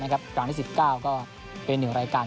กลางที่๑๙ก็เป็นหนึ่งรายการ